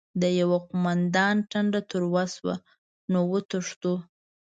د يوه قوماندان ټنډه تروه شوه: نو وتښتو؟!